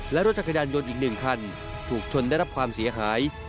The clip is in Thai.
และรถจักรยานยนต์อีก๑คันถูกชนได้รับความเสียหาย